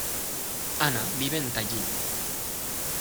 Hanna vive en Tallin.